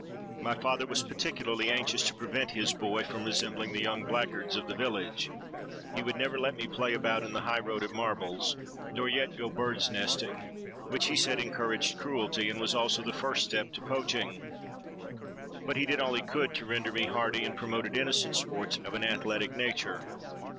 My father was particularly anxious to prevent his boy from resembling the young black guards of the village: he would never let me play about in the high road at marbles,—nor yet go bird's nesting, which he said encouraged cruelty, and was also the first step to poaching. But he did all he could to render me hardy, and promoted innocent sports of an athletic nature.